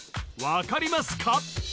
分かりますか？